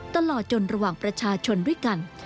ตลอดจนระหว่างประชาชนด้วยกัน